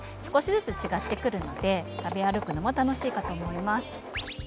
少しずつ違ってくるので食べ歩くのも楽しいかと思います。